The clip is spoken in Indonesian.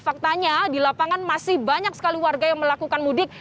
faktanya di lapangan masih banyak sekali warga yang melakukan mudik